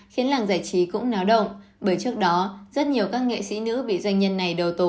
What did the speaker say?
khiến làng giải trí cũng náo động bởi trước đó rất nhiều các nghệ sĩ nữ bị doanh nhân này đầu tố